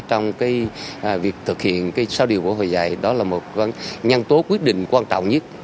trong việc thực hiện sao điều bộ hồi dạy đó là một nhân tố quyết định quan trọng nhất